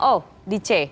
oh di c